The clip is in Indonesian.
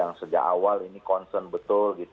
yang sejak awal ini concern betul